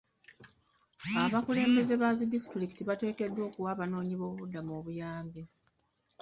Abakulembeze ba zidisitulikikiti bateekeddwa okuwa abanoonyi b'obubuddamu obuyambi .